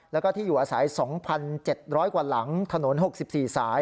แล้วก็ที่อยู่อาศัย๒๗๐๐กว่าหลังถนน๖๔สาย